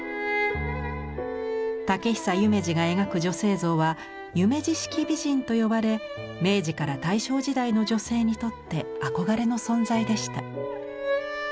竹久夢二が描く女性像は「夢二式美人」と呼ばれ明治から大正時代の女性にとって憧れの存在でした。